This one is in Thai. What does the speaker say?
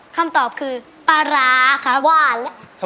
คำตอบคือปลาละขาววปลา